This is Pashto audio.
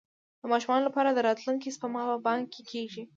د ماشومانو لپاره د راتلونکي سپما په بانک کې کیږي.